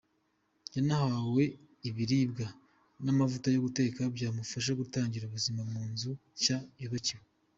Yanahawe ibiribwa n’amavuta yo guteka byo kumufasha gutangira ubuzima mu nzu nshya yubakiwe.